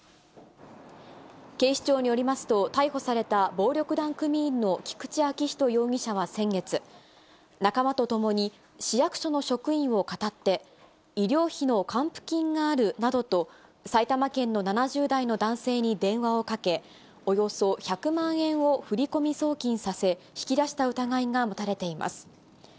警視庁によりますと、逮捕された暴力団組員の菊池聡仁容疑者は先月、仲間と共に市役所の職員をかたって、医療費の還付金があるなどと、埼玉県の７０代の男性に電話をかけ、およそ１００万円を振り込み送金させ、引き出した疑いが持たれています。